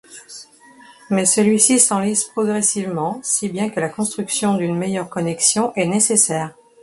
Mais celui-ci s'enlise progressivement, si bien que la construction d'une meilleure connexion est nécessaire.